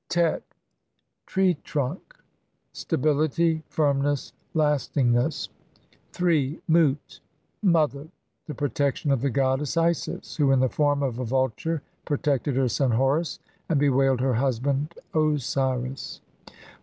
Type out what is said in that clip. tet Tree trunk. Stability, firmness, lasting ness. mut Mother. The Protection of the goddess Isis, who in the form of a vulture protected her son Horus and be wailed her husband Osiris.